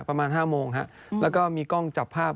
ประมาณ๕โมงฮะแล้วก็มีกล้องจับภาพ